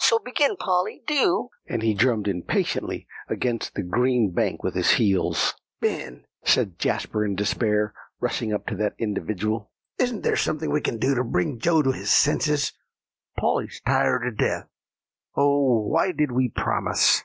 So begin, Polly, do;" and he drummed impatiently against the green bank with his heels. "Ben," said Jasper in despair, rushing up to that individual, "isn't there anything we can do to bring Joe to his senses? Polly's tired to death. Oh! why did we promise?"